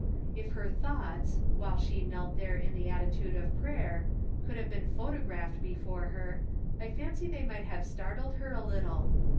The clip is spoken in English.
If her thoughts, while she knelt there in the attitude of prayer, could have been photographed before her, I fancy they might have startled her a little.